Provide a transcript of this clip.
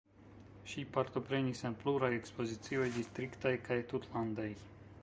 Ŝi partoprenis en pluraj ekspozicioj distriktaj kaj tutlandaj.